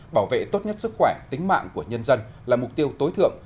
bảo vệ tốt nhất sức khỏe tính mạng của nhân dân là mục tiêu tối thượng